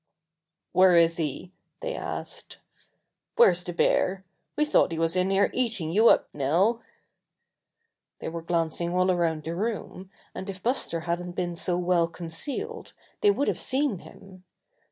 "Where is he?" they asked. "Where's the bear? We thought he was in here eating you up, Nell." They were glancing all around the room, and if Buster hadn't been so well concealed Buster and the Little Girl 109 they would have seen him.